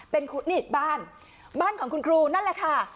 เป็นนี่บ้านบ้านของคุณครูนั่นแหละค่ะ